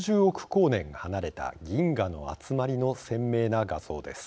光年離れた銀河の集まりの鮮明な画像です。